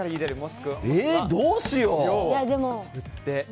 えー、どうしよう！